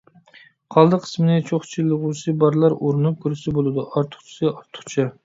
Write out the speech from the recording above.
قالدى قىسمىنى چۇخچىلىغۇسى بارلار ئۇرۇنۇپ كۆرسە بولىدۇ. ئارتۇقچىسى ئارتۇقچە.